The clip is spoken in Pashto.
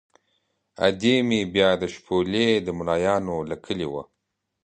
ادې مې بیا د شپولې د ملایانو له کلي وه.